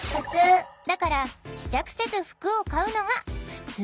だから試着せず服を買うのが「ふつう」。